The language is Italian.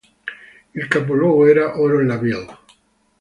Il capoluogo era Oron-la-Ville.